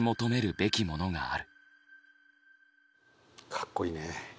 かっこいいね。